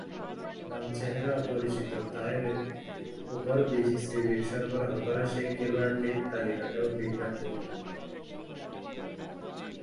নাম-চেহারা সবই অপরিচিত, তার ওপর বিসিবির সরবরাহ করা সেই খেলোয়াড় তালিকাটাও বিভ্রান্তিমূলক।